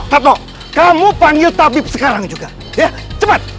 katmo kamu panggil tabib sekarang juga cepat